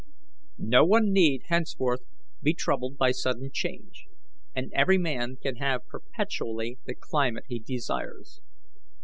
"No one need henceforth be troubled by sudden change, and every man can have perpetually the climate he desires.